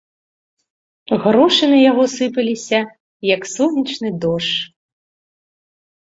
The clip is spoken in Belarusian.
Грошы на яго сыпаліся, як сонечны дождж.